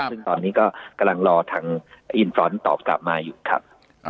ซึ่งตอนนี้ก็กำลังรอทางอินฟรอนต์ตอบกลับมาอยู่ครับ